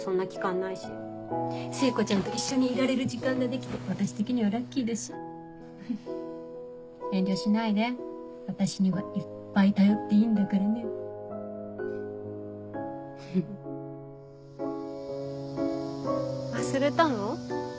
ないし聖子ちゃんと一緒にいられる時間が出来て私的にはラッキーだし遠慮しないで私にはいっぱい頼っていいんだからね忘れたの？